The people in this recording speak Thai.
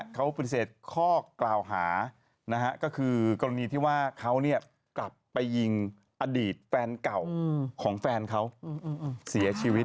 เขาปฏิเสธข้อกล่าวหาก็คือกรณีที่ว่าเขากลับไปยิงอดีตแฟนเก่าของแฟนเขาเสียชีวิต